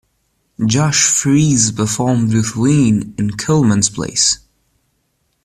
Josh Freese performed with Ween in Coleman's place.